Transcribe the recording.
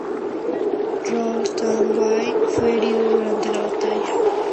Rol-Tanguy fue herido durante la batalla.